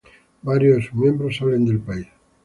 Varios de sus miembros salen del pais.